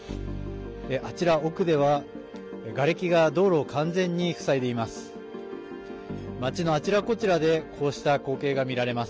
あちら奥では、がれきが道路を完全に塞いでいます。